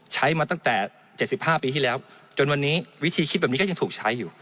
ใช้มาตั้งแต่๗๕ปีที่แล้วจนวันนี้วิธีคิดแบบนี้ก็ยังถูกใช้อยู่